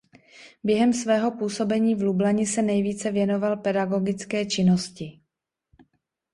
Během svého působení v Lublani se nejvíce věnoval pedagogické činnosti.